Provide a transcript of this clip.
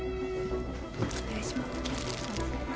お願いします